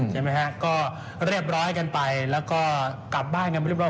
ใช่ไหมฮะก็เรียบร้อยกันไปแล้วก็กลับบ้านกันไปเรียบร้อ